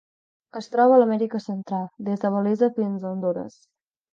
Es troba a l'Amèrica Central: des de Belize fins a Hondures.